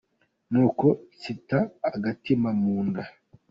Nuko nitsa agatima mu nda.